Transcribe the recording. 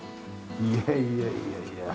いやいやいやいや。